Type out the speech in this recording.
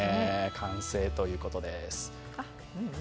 完成ということです。